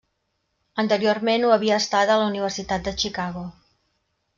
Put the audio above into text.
Anteriorment ho havia estat a la Universitat de Chicago.